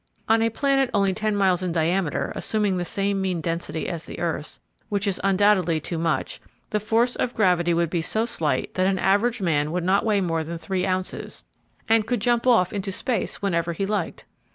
On a planet only ten miles in diameter, assuming the same mean density as the earth's, which is undoubtedly too much, the force of gravity would be so slight that an average man would not weigh more than three ounces, and could jump off into space whenever he liked.